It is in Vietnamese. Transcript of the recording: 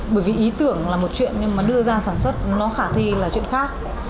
bởi vì ý tưởng là một chuyện nhưng mà đưa ra sản xuất nó khả thi là chuyện khác